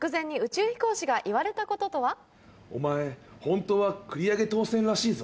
「お前本当は繰り上げ当選らしいぞ」。